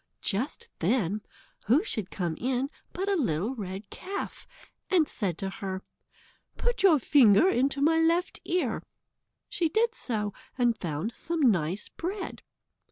Just then, who should come in but a little red calf, and said to her: "Put your finger into my left ear." She did so, and found some nice bread.